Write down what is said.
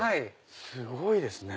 すごいですね！